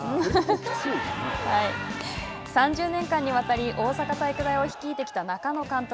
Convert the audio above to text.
３０年間にわたり大阪体育大を率いてきた中野監督。